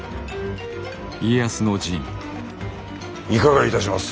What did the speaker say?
いかがいたします？